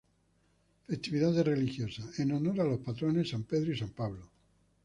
Festividades Religiosas: En honor a los patrones San Pedro y San Pablo.